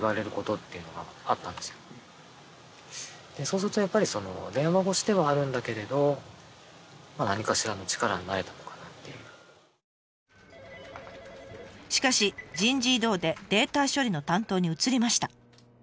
そうするとやっぱり電話越しではあるんだけれど何かしらのしかし人事異動でデータ処理の担当に移りました。